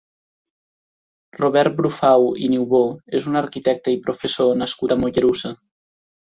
Robert Brufau i Niubó és un arquitecte i professor nascut a Mollerussa.